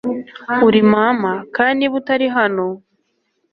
uri mama, kandi niba utari hano